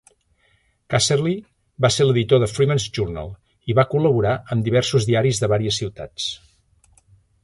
Casserly va ser l'editor del "Freeman's Journal" i va col·laborar amb diversos diaris de vàries ciutats.